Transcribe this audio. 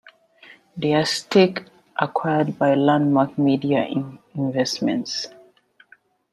Their stake acquired by Landmark Media Investments.